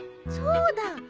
そうだ。